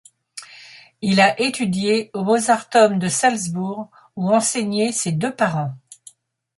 Il a étudié au Mozarteum de Salzbourg, où enseignaient ses deux parents.